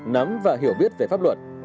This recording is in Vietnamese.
nắm và hiểu biết về pháp luật